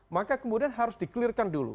maka kemudian harus di clear kan dulu